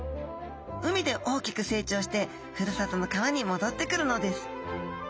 海で大きく成長してふるさとの川にもどってくるのです。